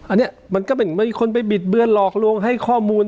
อันนี้มันก็เป็นมีคนไปบิดเบือนหลอกลวงให้ข้อมูล